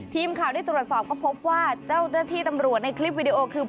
ทีมข่าวได้ตรวจสอบก็พบว่าเจ้าหน้าที่ตำรวจในคลิปวิดีโอคือ